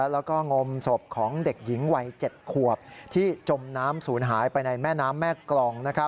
แล้วก็งมศพของเด็กหญิงวัย๗ขวบที่จมน้ำศูนย์หายไปในแม่น้ำแม่กลอง